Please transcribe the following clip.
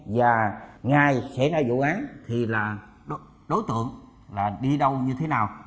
và ngay sẽ ra vụ án thì là đối tượng là đi đâu như thế nào